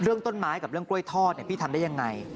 เรื่องต้นไม้กับเรื่องกล้วยทอดพี่ทำได้ยังไง